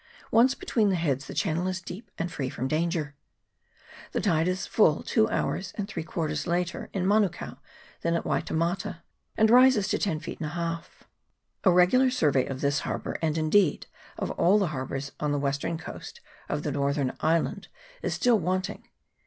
Once between the heads, the channel is deep and free from danger. The tide is full two hours and three quarters later in Manukao than at Waitemata, and rises to ten feet and a half. A regular survey of this harbour, and, indeed, of all the harbours on the western coast of the northern island, is still wanting.